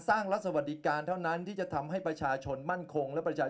รัฐสวัสดิการเท่านั้นที่จะทำให้ประชาชนมั่นคงและประชาชน